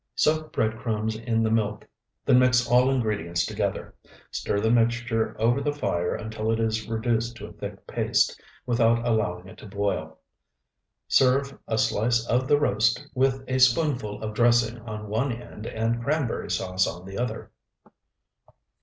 Soak bread crumbs in the milk; then mix all ingredients together. Stir the mixture over the fire until it is reduced to a thick paste, without allowing it to boil. Serve a slice of the roast with a spoonful of dressing on one end and cranberry sauce on the other.